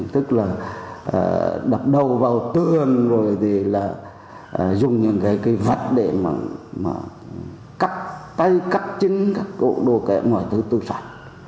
tức là đập đầu vào tường rồi thì là dùng những cái vắt để mà cắt tay cắt chứng các đồ kẹo mọi thứ tự sản